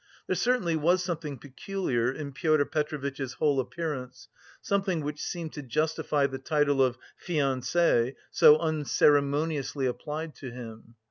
There certainly was something peculiar in Pyotr Petrovitch's whole appearance, something which seemed to justify the title of "fiancé" so unceremoniously applied to him.